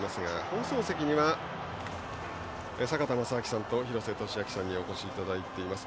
放送席には坂田正彰さんと廣瀬俊朗さんにお越しいただいています。